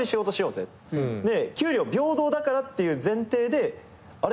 給料平等だからっていう前提であれ？